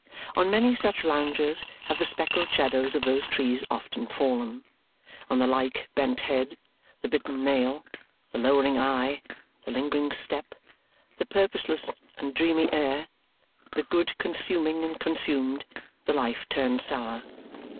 On many such loungers have the speckled shadows of those trees often fallen; on the like bent head, the bitten nail, the lowering eye, the lingering step, the purposeless and dreamy air, the good consuming and consumed, the life turned sour.